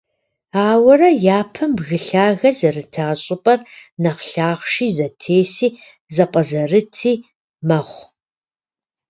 Ауэрэ, япэм бгы лъагэ зэрыта щIыпIэр нэхъ лъахъши, зэтеси, зэпIэзэрыти мэхъу.